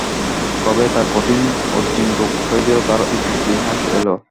কবে তাঁর কঠিন অজীর্ণরোগ হয়েছিল তার ইতিহাস এল।